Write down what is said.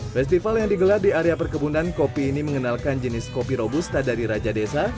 festival yang digelar di area perkebunan kopi ini mengenalkan jenis kopi robusta dari raja desa